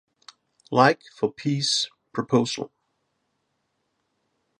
Like for peace proposal?